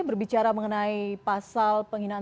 berbicara mengenai pasal penghinaan